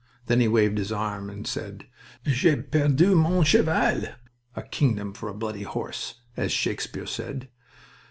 Then he waved his arm and said: "J'ai perdu mon cheval" ("A kingdom for a bloody horse!"), "as Shakespeare said.